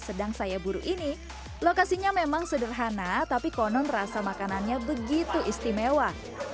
sedang saya buru ini lokasinya memang sederhana tapi konon rasa makanannya begitu istimewa